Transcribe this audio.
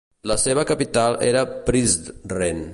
La seva capital era Prizren.